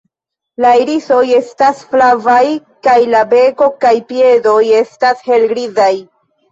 La irisoj estas flavaj kaj la beko kaj piedoj estas malhelgrizaj.